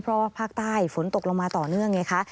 เพราะว่าภาคใต้ฝนตกลงมาต่อเนื่องไงคะ